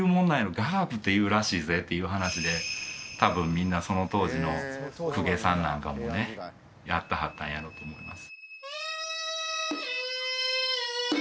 「雅楽っていうらしいぜ」っていう話で多分みんなその当時の公家さんなんかもねやってはったんやろうと思います